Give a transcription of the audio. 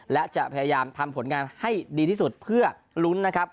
และจะพยายามทำผลงานให้ดีที่สุดเพื่อลุ้นนะครับ